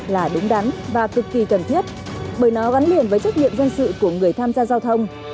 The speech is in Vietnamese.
là đúng đắn và cực kỳ cần thiết bởi nó gắn liền với trách nhiệm dân sự của người tham gia giao thông